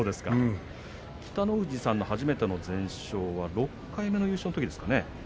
北の富士さんの初めての全勝は６回目の優勝でしたね。